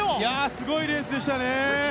すごいレースでしたね。